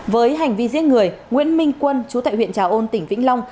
với hành vi giết người nguyễn minh quân chú tại huyện trà ôn tỉnh vĩnh long